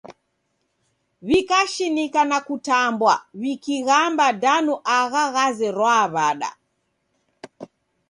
W'ikashinika na kutambwa wikighamba danu agha ghazerwaa w'ada?